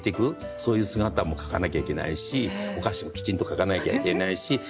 そういう姿も描かなきゃいけないしお菓子もきちんと描かなきゃいけないしもうおばあちゃんもね